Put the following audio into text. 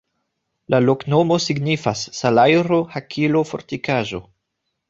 La loknomo signifas: salajro-hakilo-fortikaĵo.